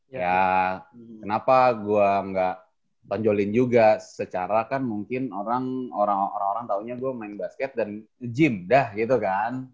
ya kenapa gue gak tonjolin juga secara kan mungkin orang orang taunya gue main basket dan gym dah gitu kan